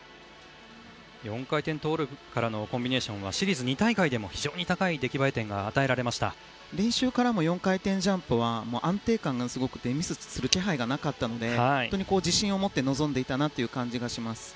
４回転トウループからのコンビネーションはシリーズ２大会でも非常に高い出来栄え点が練習からも４回転ジャンプ安定感がすごくてミスする気配がなかったので本当に自信を持って臨んでいた感じがします。